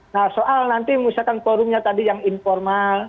nah soal nanti misalkan forumnya tadi yang informal